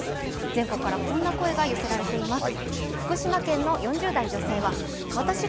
全国からこんな声が寄せられています。